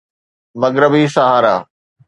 مغربي صحارا